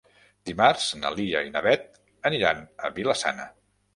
Dimarts na Lia i na Beth aniran a Vila-sana.